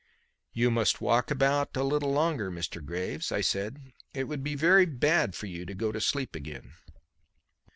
"You must walk about a little longer, Mr. Graves," I said. "It would be very bad for you to go to sleep again."